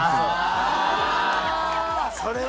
それは。